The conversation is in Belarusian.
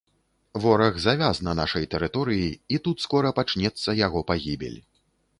Вораг завяз на нашай тэрыторыі, і тут скора пачнецца яго пагібель.